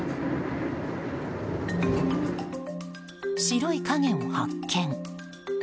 白い影を発見。